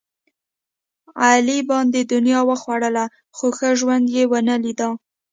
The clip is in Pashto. علي باندې دنیا وخوړله، خو ښه ژوند یې ونه لیدا.